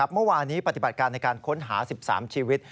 เมื่อวานี้ปฏิบัติการในการค้นหา๑๓ชีวิต